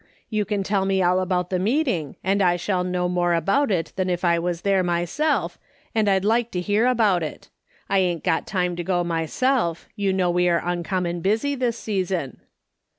' You can tell me all about the meeting, and I shall know more about it than if I was there myself, and I'd like to hear about it. I ain't got time to go myself ; you know we are uncommon busy this season.'